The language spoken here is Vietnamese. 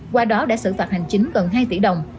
qua đó đã xử phạt hành chính gần hai tỷ đồng